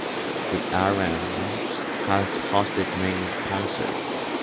The arena has hosted many concerts.